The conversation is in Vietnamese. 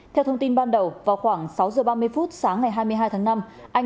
theo thông tin ban đầu vào khoảng sáu giờ ba mươi phút sáng ngày hai mươi hai tháng năm anh